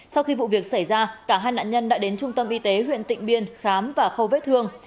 sau khi vụ việc xảy ra cả hai nạn nhân đã đến trung tâm y tế huyện tịnh biên khám và khâu vết thương